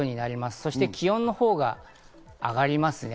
そして気温のほうが上がりますね。